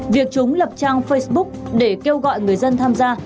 việc chúng lập trang facebook để kêu gọi người dân tham gia